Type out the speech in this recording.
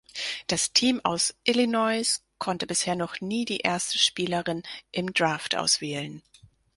Das Team aus Illinois konnte bisher noch nie die erste Spielerin im Draft auswählen.